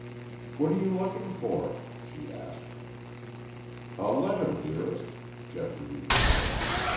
"What are you looking for?" she asked. "A letter, dearest," Geoffrey replied.